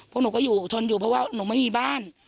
พวกหนูก็อยู่ทนอยู่เพราะว่าหนูไม่มีบ้าน